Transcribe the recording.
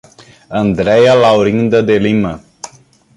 Andreia Laurinda de Lima